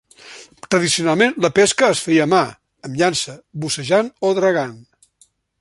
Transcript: Tradicionalment la pesca es feia a mà, amb llança, bussejant o dragant.